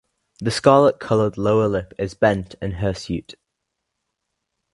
The scarlet coloured lower lip is bent and hirsute.